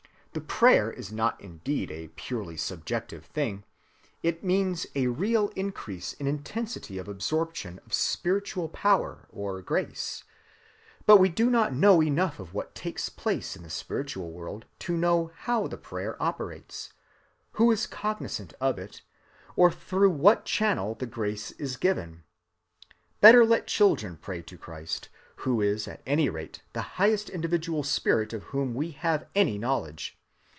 The prayer is not indeed a purely subjective thing;—it means a real increase in intensity of absorption of spiritual power or grace;—but we do not know enough of what takes place in the spiritual world to know how the prayer operates;—who is cognizant of it, or through what channel the grace is given. Better let children pray to Christ, who is at any rate the highest individual spirit of whom we have any knowledge.